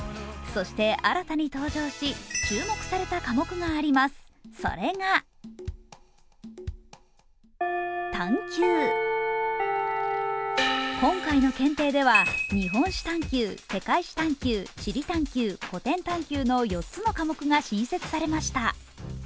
そして新たに登場し、注目された科目があります、それが今回の検定では日本史探究、世界史探究、地理探究、古典探究の４つの科目が新設されました。